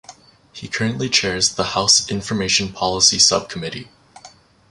He currently chairs the House Information Policy Subcommittee.